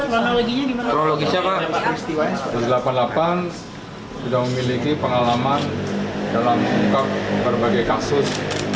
prologisnya pak densus delapan puluh delapan sudah memiliki pengalaman dalam mengungkap berbagai kasus